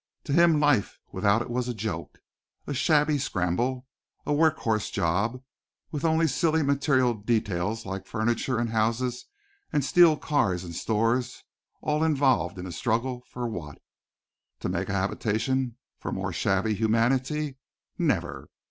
To him life without it was a joke, a shabby scramble, a work horse job, with only silly material details like furniture and houses and steel cars and stores all involved in a struggle for what? To make a habitation for more shabby humanity? Never!